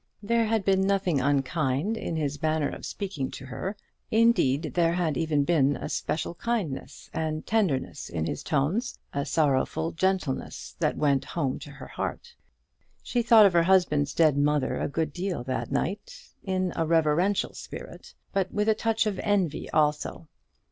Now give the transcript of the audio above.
There had been nothing unkind in his manner of speaking to her; indeed, there had even been a special kindness and tenderness in his tones, a sorrowful gentleness, that went home to her heart. She thought of her husband's dead mother a good deal that night, in a reverential spirit, but with a touch of envy also.